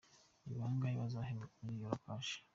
Ni bangahe bazahembwa muri “Yora Cash”?.